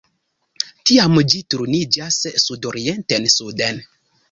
Tiam ĝi turniĝas sudorienten-suden.